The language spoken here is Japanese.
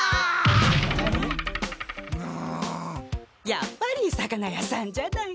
やっぱり魚屋さんじゃない！